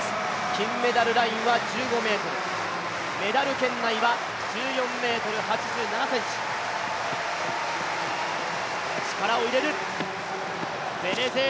金メダルラインは１５ｍ、メダル圏内は１４ｍ８７ｃｍ、力を入れる。